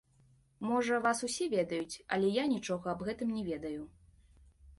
Можа, вас усе ведаюць, але я нічога аб гэтым не ведаю.